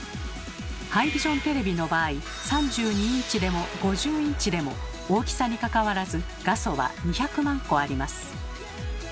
ハイビジョンテレビの場合３２インチでも５０インチでも大きさにかかわらず画素は２００万個あります。